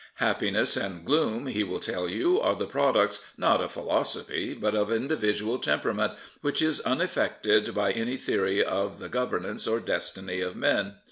Happiness and gloom, he will tell you, are the products not of philosophy, but of in dividual temperament, which is unaffected by any theory of the governance or destiny of men.